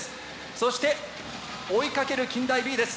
そして追いかける近大Ｂです。